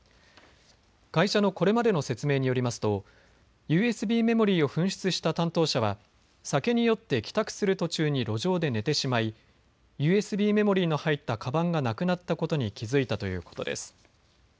会社のこれまでの説明によりますとＵＳＢメモリーを紛失した担当者は酒に酔って帰宅する途中に路上で寝てしまいＵＳＢメモリーの入ったかばんがなくなったことに気付いたということです。